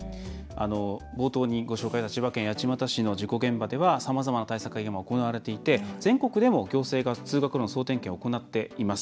冒頭にご紹介した千葉県八街市の事故現場では、さまざまな対策が今、行われていて全国でも行政が通学路の総点検を行っています。